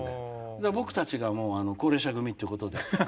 だから僕たちがもう高齢者組ってことで。